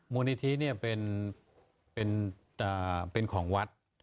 มูลนิธิเป็นของวัด